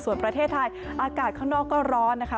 ส่วนประเทศไทยอากาศข้างนอกก็ร้อนนะคะ